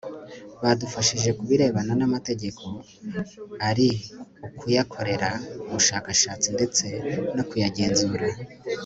badufashije ku birebana n'amategeko ari ukuyakorera ubushakashatsi ndetse no kuyagenzura